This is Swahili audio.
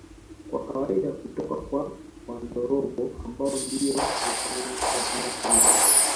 Kwa kawaida hutoka kwa Wandorobo ambao ndio hufanya tohara hizo